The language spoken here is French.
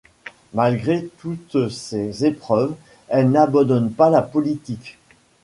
Malgré toutes ces épreuves elle n'abandonne pas la politique.